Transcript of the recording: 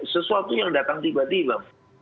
sesuatu yang datang tiba tiba